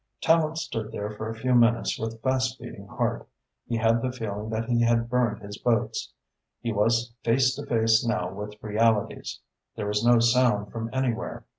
Tallente stood there for a few minutes with fast beating heart. He had the feeling that he had burned his boats. He was face to face now with realities. There was no sound from anywhere.